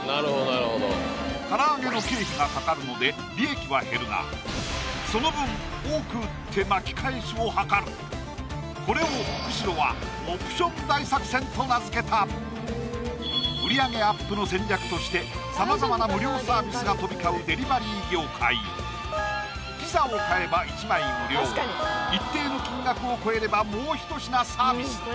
唐揚げの経費がかかるので利益は減るがその分多く売って巻き返しを図るこれを久代はオプション大作戦と名付けた売り上げアップの戦略としてさまざまな無料サービスが飛び交うデリバリー業界ピザを買えば１枚無料一定の金額を超えればもう１品サービス